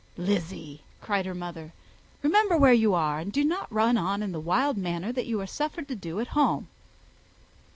"Lizzy," cried her mother, "remember where you are, and do not run on in the wild manner that you are suffered to do at home."